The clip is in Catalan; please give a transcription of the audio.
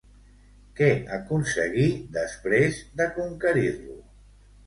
Què aconseguí després de conquerir-lo?